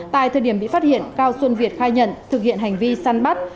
tại thời điểm bị phát hiện cao xuân việt khai nhận thực hiện hành vi săn bắt